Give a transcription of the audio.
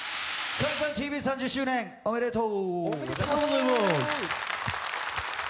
「ＣＤＴＶ」３０周年、おめでとう！